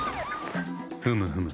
ふむふむ。